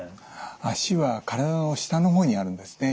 脚は体の下の方にあるんですね。